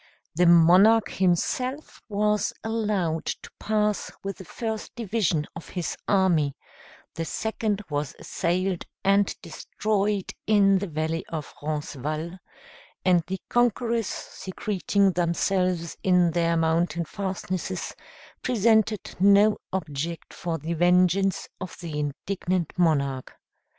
The monarch himself was allowed to pass with the first division of his army, the second was assailed and destroyed in the valley of Roncesvalles, and the conquerors secreting themselves in their mountain fastnesses, presented no object for the vengeance of the indignant monarch.